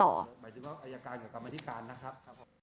หมายถึงว่าอายการกับกรรมธิการนะครับผม